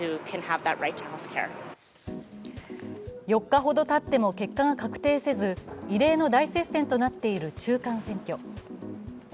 ４日ほどたっても結果が確定せず異例の大接戦となっている中間選挙。